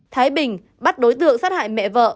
thái bình bắt đối tượng sát hại mẹ vợ